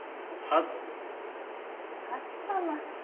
初様。